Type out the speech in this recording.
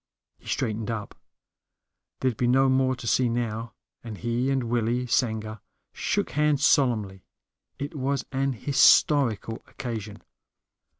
He straightened up there'd be no more to see now and he and Willie Sanger shook hands solemnly. It was an historical occasion.